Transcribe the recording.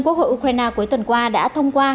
quốc hội ukraine cuối tuần qua đã thông qua